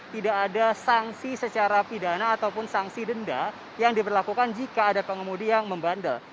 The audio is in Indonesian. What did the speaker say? tidak ada sanksi secara pidana ataupun sanksi denda yang diberlakukan jika ada pengemudi yang membandel